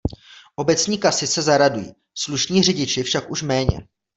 Obecní kasy se zaradují, slušní řidiči však už méně.